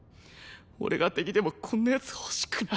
俺が敵でもこんな奴欲しくない。